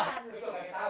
baik baik baik baik baik